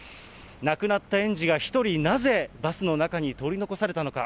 亡くなった園児が１人なぜ、バスの中に取り残されたのか。